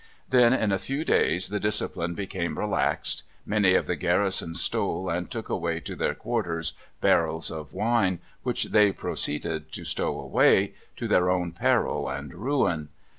Then in a few days the discipline became relaxed; many of the garrison stole and took away to their quarters barrels of wine, which they proceeded to stow away, to their own peril and ruin.